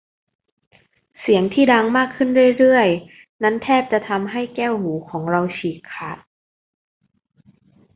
เสียงที่ดังมากขึ้นเรื่อย ๆ นั้นแทบจะทำให้แก้วหูของเราฉีกขาด